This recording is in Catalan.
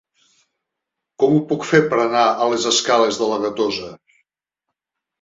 Com ho puc fer per anar a les escales de la Gatosa?